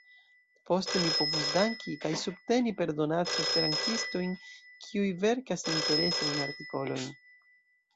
Poste mi povus danki kaj subteni per donaco esperantistojn kiuj verkas interesajn artikolojn.